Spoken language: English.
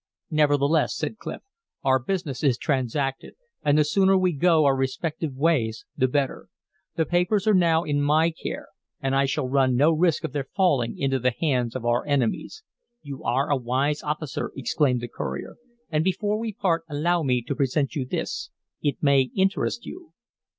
"Nevertheless," said Clif, "our business is transacted, and the sooner we go our respective ways the better. These papers are now in my care, and I shall run no risk of their falling into the hands of our enemies." "You are a wise officer," exclaimed the courier. "And before we part allow me to present you this. It may interest you."